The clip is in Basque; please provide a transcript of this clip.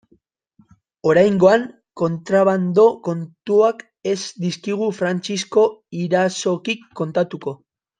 Oraingoan kontrabando kontuak ez dizkigu Frantzisko Irazokik kontatuko.